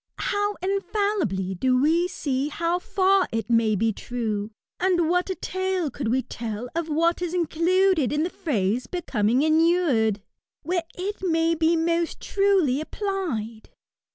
How infallibly do we see how fer it may be true ; and what a tale could we teU of what is included in the phrase, ^^ becoming inured/' where it may be most truly applied!